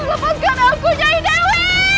lepaskan aku nyai dewi